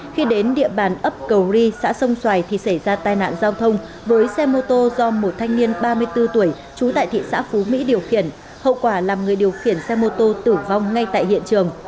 khi đến địa bàn ấp cầu ri xã sông xoài thì xảy ra tai nạn giao thông với xe mô tô do một thanh niên ba mươi bốn tuổi trú tại thị xã phú mỹ điều khiển hậu quả làm người điều khiển xe mô tô tử vong ngay tại hiện trường